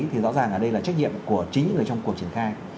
thì rõ ràng ở đây là trách nhiệm của chính những người trong cuộc triển khai